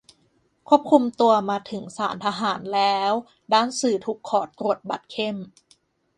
ควบคุมตัวมาถึงศาลทหารแล้ว ด้านสื่อถูกขอตรวจบัตรเข้ม